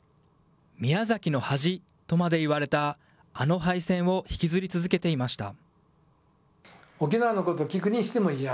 宮崎の恥とまで言われたあの敗戦を引きずり続けていました。